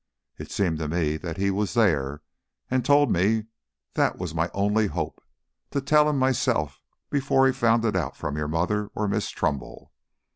It seemed to me that He was there and told me that was my only hope, to tell him myself before he found it out from your mother or Miss Trumbull.